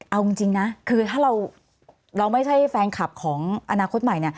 เอาจริงนะคือถ้าเราไม่ใช่แฟนคลับของอนาคตใหม่